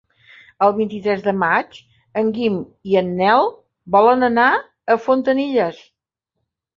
El vint-i-tres de maig en Guim i en Nel volen anar a Fontanilles.